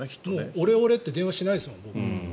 オレオレってもう電話しないですもん、僕も。